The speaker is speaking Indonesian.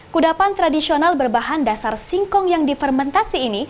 kudapan tradisional berbahan dasar singkong yang difermentasi ini